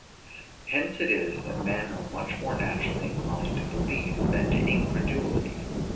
Hence it is that men are much more naturally inclined to belief than to incredulity.